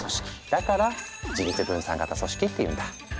だから自律分散型組織って言うんだ。